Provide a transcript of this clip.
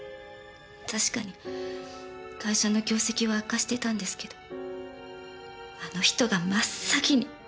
確かに会社の業績は悪化してたんですけどあの人が真っ先に。